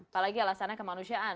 apalagi alasannya kemanusiaan